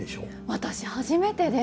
私初めてで。